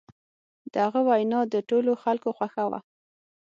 د هغه وینا د ټولو خلکو خوښه وه.